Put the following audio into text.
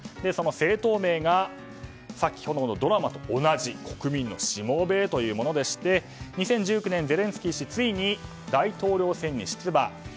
その政党名が先ほどのドラマと同じ国民のしもべというものでして２０１９年、ゼレンスキー氏ついに大統領選に出馬。